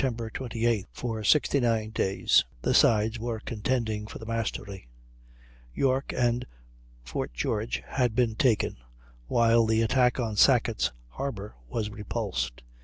28th, for 69 days, the two sides were contending for the mastery. York and Fort George had been taken, while the attack on Sackett's Harbor was repulsed.